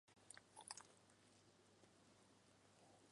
奥德莉庄园是英格兰最出色的詹姆斯一世时期建筑之一。